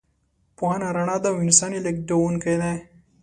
پوهه رڼا ده او انسان یې لېږدونکی دی.